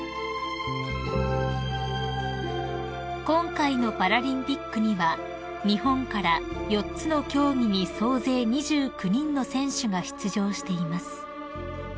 ［今回のパラリンピックには日本から４つの競技に総勢２９人の選手が出場しています］